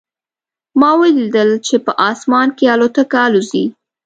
ما ولیدل چې په اسمان کې الوتکه الوزي